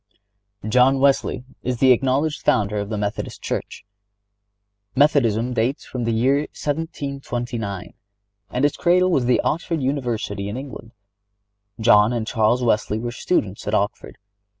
(98) John Wesley is the acknowledged founder of the Methodist Church. Methodism dates from the year 1729, and its cradle was the Oxford University in England. John and Charles Wesley were students at Oxford.